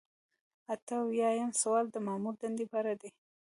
اته اویایم سوال د مامور د دندې په اړه دی.